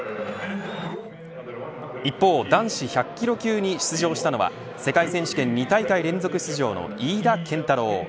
一方、男子１００キロ級に出場したのは世界選手権２大会連続出場の飯田健太郎。